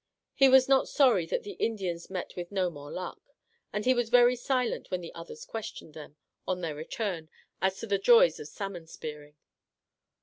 He was not sorry that the Indians met with no more luck, and was very silent when the others questioned them, on their return, as to the joys of salmon spearing.